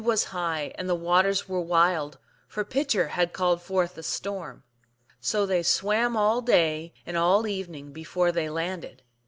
47 was high and the waters were wild, for Pitcher had called forth a storm. So they swam all day and all the evening before they landed.